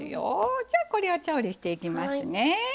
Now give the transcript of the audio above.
じゃこれを調理していきますね。